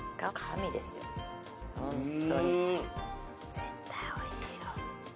・絶対おいしいよ。